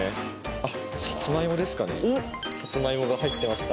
さつまいもが入ってました。